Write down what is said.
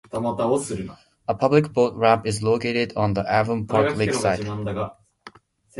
A public boat ramp is located on the Avon Park Lakes side.